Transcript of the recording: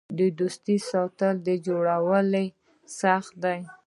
د دوستۍ ساتل تر جوړولو سخت دي.